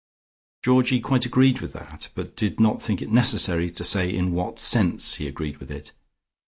Georgie quite agreed with that, but did not think it necessary to say in what sense he agreed with it.